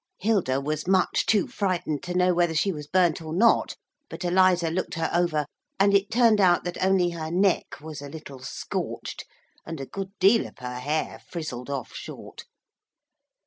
Hilda was much too frightened to know whether she was burnt or not, but Eliza looked her over, and it turned out that only her neck was a little scorched, and a good deal of her hair frizzled off short.